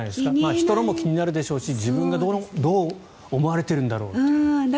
人のも気になるでしょうし自分がどう思われてるんだろうと。